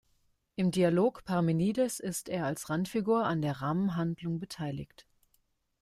Im Dialog "Parmenides" ist er als Randfigur an der Rahmenhandlung beteiligt.